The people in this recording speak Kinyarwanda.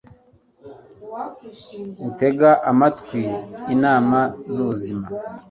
utega amatwi inama z'ubuzima